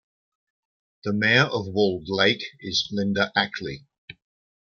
The mayor of Walled Lake is Linda Ackley.